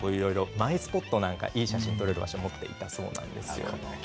マイスポットなどいい写真を撮れる場所を持っていたそうですよ。